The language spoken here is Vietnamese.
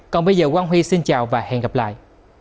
còn bây giờ quang huy xin chào và hẹn gặp lại